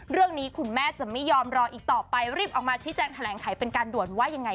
เรื่องนี้คุณแม่จะไม่ยอมรออีกต่อไปรีบออกมาชี้แจงแถลงไขเป็นการด่วนว่ายังไง